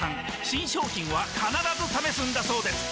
新商品は必ず試すんだそうです